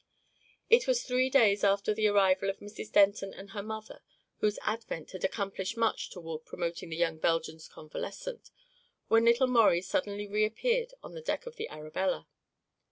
It was three days after the arrival of Mrs. Denton and her mother whose advent had accomplished much toward promoting the young Belgian's convalescence when little Maurie suddenly reappeared on the deck of the Arabella.